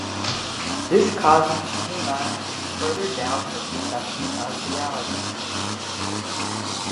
This causes Mima to further doubt her perception of reality.